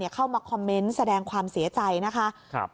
เข้ามาคอมเมนต์แสดงความเสียใจนะคะ